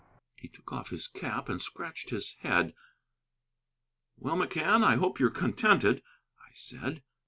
"He took off his cap and scratched his head. "Well, McCann, I hope you're contented," I said.